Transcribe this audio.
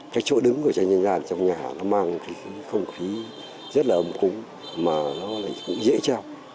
cái chỗ đứng của tranh dân gian trong nhà nó mang cái không khí rất là âm cúng mà nó cũng dễ trao